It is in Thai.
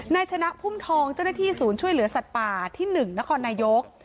นายชนะพุ่มทองเจ้าหน้าที่ศูนย์ช่วยเหลือสัตว์ป่าที่๑นครนายก